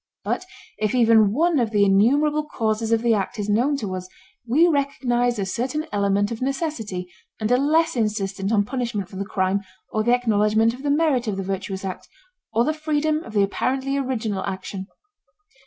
But if even one of the innumerable causes of the act is known to us we recognize a certain element of necessity and are less insistent on punishment for the crime, or the acknowledgment of the merit of the virtuous act, or the freedom of the apparently original action.